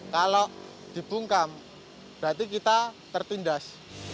kalau dibungkam berarti kita tertindas